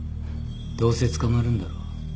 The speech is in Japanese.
どうせ捕まるんだろ？